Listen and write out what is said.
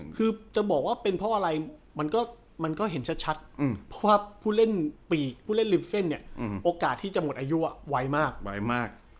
คือจะบอกว่าเป็นเพราะอะไรมันก็เห็นชัดเพราะว่าผู้เล่นปีกผู้เล่นริมเส้นเนี่ยโอกาสที่จะหมดอายุไวมากไวมาก